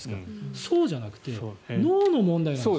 そうじゃなくて脳の問題なんです。